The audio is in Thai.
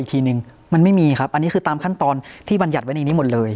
ทีนึงมันไม่มีครับอันนี้คือตามขั้นตอนที่บรรยัติไว้ในนี้หมดเลย